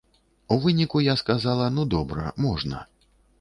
У выніку я сказала, ну добра, можна.